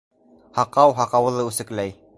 Һаҡау һаҡауҙы үсекләй